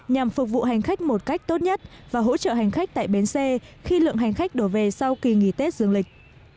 nhằm phục vụ hành khách một cách tốt nhất và hỗ trợ hành khách tại bến xe khi lượng hành khách đổ về sau kỳ nghỉ tết dương lịch